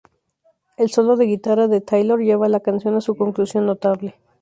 El solo de guitarra de Taylor lleva la canción a su conclusión notable.